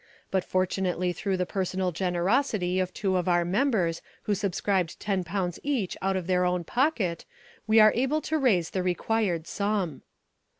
But fortunately through the personal generosity of two of our members who subscribed ten pounds each out of their own pocket we are able to raise the required sum."